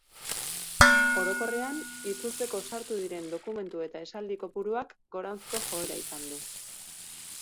Orokorrean, itzultzeko sartu diren dokumentu eta esaldi kopuruak goranzko joera izan du.